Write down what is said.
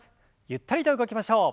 ゆったりと動きましょう。